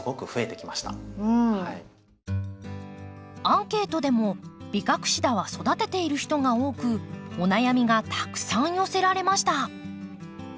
アンケートでもビカクシダは育てている人が多くお悩みがたくさん寄せられました。